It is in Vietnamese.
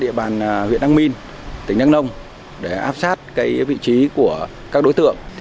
địa bàn huyện đắk miu tỉnh đắk nông để áp sát vị trí của các đối tượng